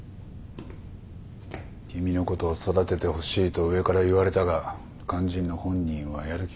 君のことを育ててほしいと上から言われたが肝心の本人はやる気がないようだな。